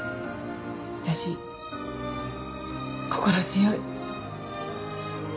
私心強い。